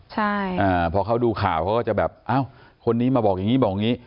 ใช่อ่าพอเขาดูข่าวเขาก็จะแบบอ้าวคนนี้มาบอกอย่างนี้บอกอย่างนี้